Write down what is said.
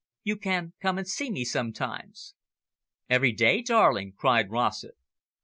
You can come and see me sometimes." "Every day, darling," cried Rossett.